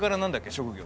職業。